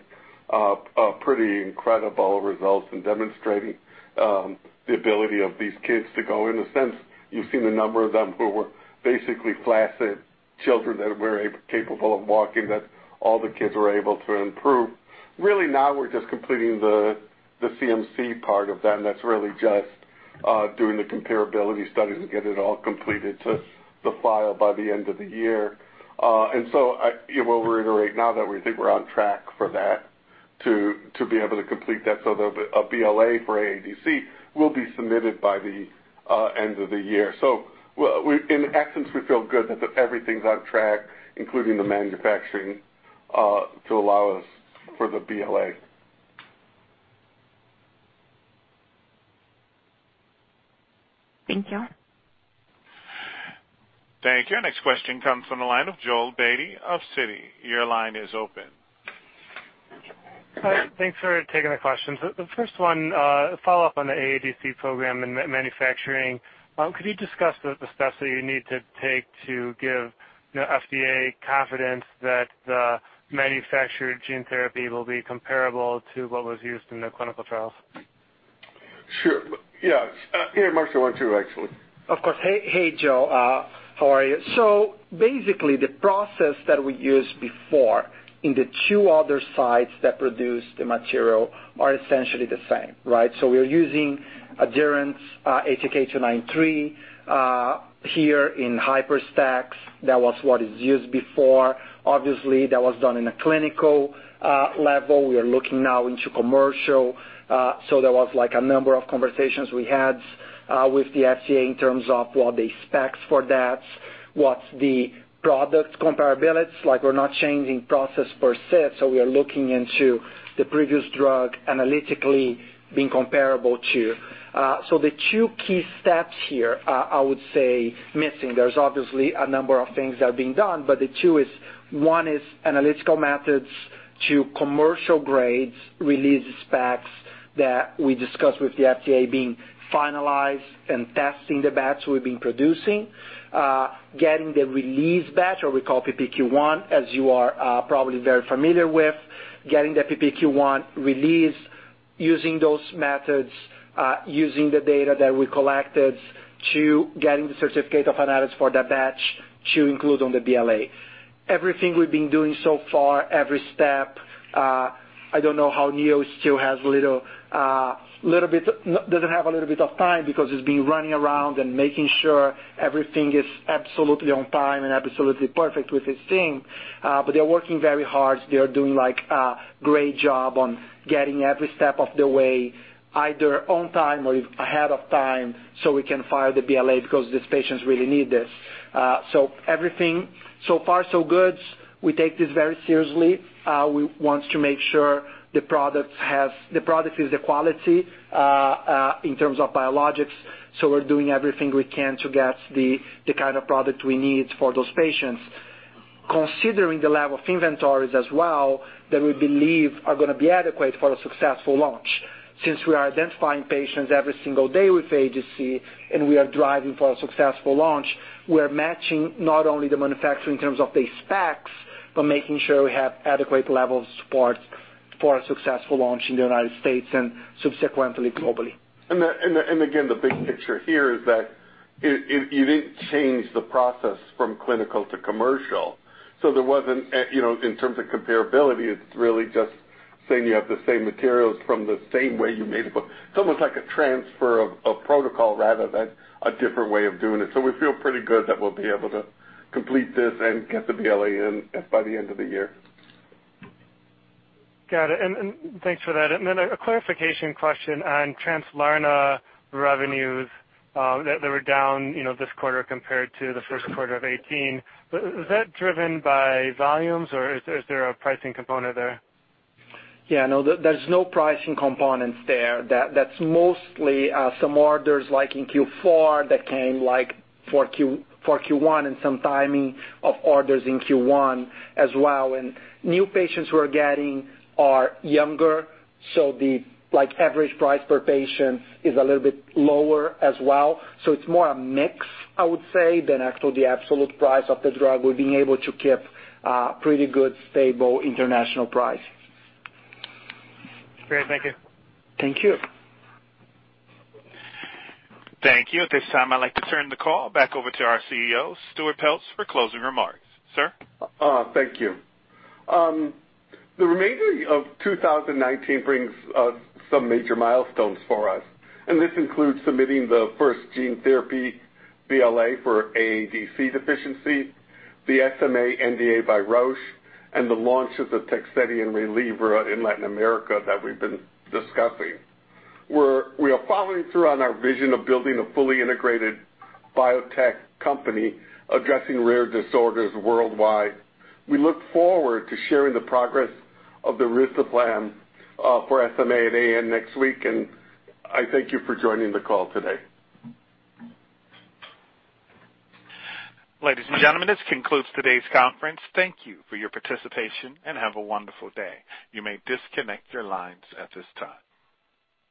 S3: pretty incredible results in demonstrating the ability of these kids to go in a sense, you've seen a number of them who were basically flaccid children that were capable of walking, that all the kids were able to improve. Now we're just completing the CMC part of that, and that's really just doing the comparability studies and get it all completed to the file by the end of the year. I will reiterate now that we think we're on track for that to be able to complete that. A BLA for AADC will be submitted by the end of the year. In essence, we feel good that everything's on track, including the manufacturing, to allow us for the BLA.
S4: Thank you.
S1: Thank you. Next question comes from the line of Joel Beatty of Citi. Your line is open.
S14: Hi. Thanks for taking the questions. The first one, a follow-up on the AADC program and manufacturing. Could you discuss the steps that you need to take to give FDA confidence that the manufactured gene therapy will be comparable to what was used in the clinical trials?
S3: Sure. Yeah. Marcio why don't you, actually.
S4: Of course. Hey, Joel. How are you? Basically, the process that we used before in the two other sites that produced the material are essentially the same, right? We are using adherent HEK293 here in HYPERStack. That was what is used before. Obviously, that was done in a clinical level. We are looking now into commercial. There was a number of conversations we had with the FDA in terms of what the specs for that, what's the product comparability. We're not changing process per se, we are looking into the previous drug analytically being comparable to. The two key steps here, I would say missing, there's obviously a number of things that are being done, but the two is, one is analytical methods to commercial grades, release specs that we discussed with the FDA being finalized and testing the batch we've been producing. Getting the release batch, or we call PPQ1, as you are probably very familiar with. Getting the PPQ1 release, using those methods, using the data that we collected to getting the certificate of analysis for that batch to include on the BLA. Everything we've been doing so far, every step, I don't know how Neo still doesn't have a little bit of time, because he's been running around and making sure everything is absolutely on time and absolutely perfect with his team. They're working very hard. They are doing a great job on getting every step of the way, either on time or ahead of time, we can file the BLA because these patients really need this. Everything so far, so good. We take this very seriously. We want to make sure the product is the quality, in terms of biologics. We're doing everything we can to get the kind of product we need for those patients. Considering the level of inventories as well, that we believe are going to be adequate for a successful launch. Since we are identifying patients every single day with AADC, and we are driving for a successful launch, we're matching not only the manufacturing in terms of the specs, but making sure we have adequate levels of support for a successful launch in the U.S. and subsequently, globally.
S3: Again, the big picture here is that you didn't change the process from clinical to commercial. There wasn't, in terms of comparability, it's really just saying you have the same materials from the same way you made before. It's almost like a transfer of protocol rather than a different way of doing it. We feel pretty good that we'll be able to complete this and get the BLA in by the end of the year.
S14: Got it. Thanks for that. Then a clarification question on Translarna revenues. They were down this quarter compared to the first quarter of 2018. Was that driven by volumes, or is there a pricing component there?
S4: Yeah, no, there's no pricing components there. That's mostly some orders like in Q4 that came like for Q1 and some timing of orders in Q1 as well. New patients we're getting are younger, so the average price per patient is a little bit lower as well. It's more a mix, I would say, than actually the absolute price of the drug. We're being able to keep a pretty good, stable international price.
S14: Great. Thank you.
S4: Thank you.
S1: Thank you. At this time, I'd like to turn the call back over to our CEO, Stuart Peltz, for closing remarks. Sir?
S3: Thank you. The remainder of 2019 brings some major milestones for us. This includes submitting the first gene therapy BLA for AADC deficiency, the SMA NDA by Roche, the launch of the Tegsedi and Rayaldee in Latin America that we've been discussing. We are following through on our vision of building a fully integrated biotech company addressing rare disorders worldwide. We look forward to sharing the progress of risdiplam for SMA at AAN next week. I thank you for joining the call today.
S1: Ladies and gentlemen, this concludes today's conference. Thank you for your participation. Have a wonderful day. You may disconnect your lines at this time.